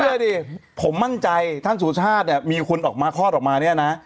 อะไรดิผมมั่นใจท่านสุชาติเนี่ยมีคนออกมาคลอดออกมาเนี่ยนะ